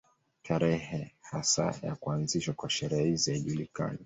Tarehe hasa ya kuanzishwa kwa sherehe hizi haijulikani.